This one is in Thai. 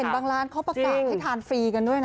บางร้านเขาประกาศให้ทานฟรีกันด้วยนะ